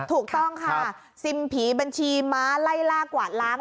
ถูกต้องค่ะซิมผีบัญชีม้าไล่ล่ากวาดล้าง